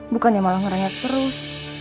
bukannya malah ngeranget terus